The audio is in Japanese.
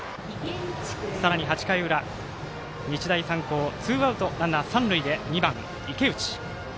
さらに８回裏日大三高ツーアウト、ランナー、三塁で２番、池内。